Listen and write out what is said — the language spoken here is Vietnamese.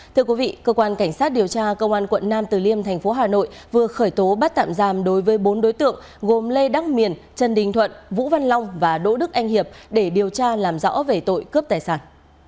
thưa quý vị cơ quan cảnh sát điều tra công an quận nam từ liêm thành phố hà nội vừa khởi tố bắt tạm giam đối với bốn đối tượng gồm lê đắc miền trần đình thuận vũ văn long và đỗ đức anh hiệp để điều tra làm rõ về tội cướp tài sản